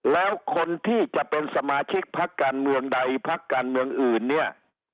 แล้วคนที่จะเป็นสมาชิกพักการเมืองใดพักการเมืองอื่นเนี่ย